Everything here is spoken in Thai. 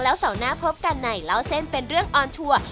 แล้วเสาร์หน้าพบกันในเล่าเส้นเป็นเรื่องออนทัวร์